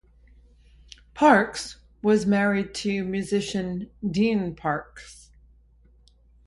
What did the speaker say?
Parks was married to musician Dean Parks.